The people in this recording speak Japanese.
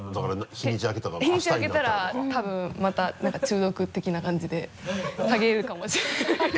日にち開けたら多分また中毒的な感じで嗅げるかもしれない